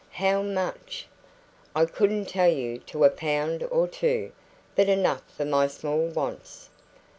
"How much?" "I couldn't tell you to a pound or two, but enough for my small wants."